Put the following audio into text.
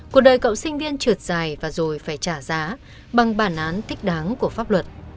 cuộc đời cậu sinh viên trượt dài và rồi phải trả giá bằng bản án thích đáng của pháp luật